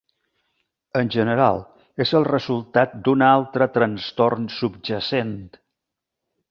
En general, és el resultat d'una altra trastorn subjacent.